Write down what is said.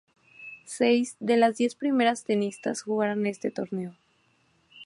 Seis de la diez primeras tenistas jugaron este torneo.